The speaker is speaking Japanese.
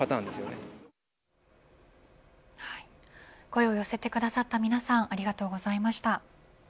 声を寄せてくださった皆さんありがとうございました。